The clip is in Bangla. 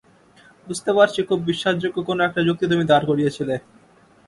বুঝতে পারছি খুব বিশ্বাসযোগ্য কোন একটা যুক্তি তুমি দাঁড় করিয়েছিলে।